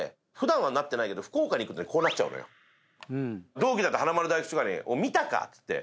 「同期だった華丸・大吉とかに見たかっつって。